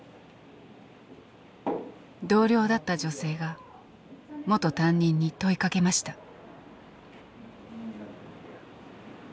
同僚だった女性が元担任に問いかけました。